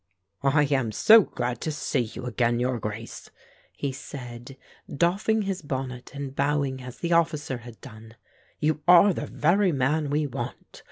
"I am so glad to see you again, your Grace," he said, doffing his bonnet and bowing as the officer had done. "You are the very man we want.